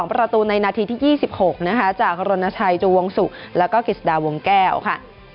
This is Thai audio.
ประตูในนาทีที่๒๖นะคะจากรณชัยจูวงศุกร์แล้วก็กิจดาวงแก้วค่ะ